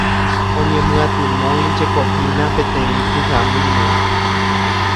Oñemyatymoijekohína peteĩ kyhamíme.